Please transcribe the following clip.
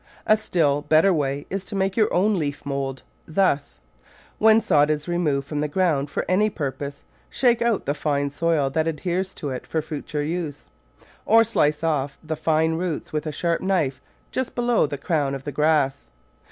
A still better way is to make your own leaf mould. Thus: when sod is removed from the ground for any purpose, shake out the fine soil that adheres to it for future use ; or slice off the fine roots with a sharp knife just below the crown of the grass.